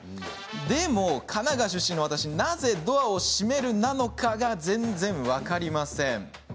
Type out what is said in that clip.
でも、神奈川出身の私なぜドアを閉めるなのか全然分かりません。